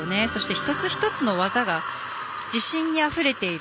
一つ一つの技が自信にあふれている。